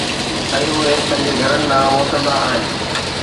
۽ اهي پنهنجن گهرن ڏانهن موٽندا آهن.